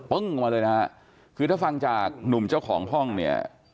ออกมาเลยนะฮะคือถ้าฟังจากหนุ่มเจ้าของห้องเนี่ย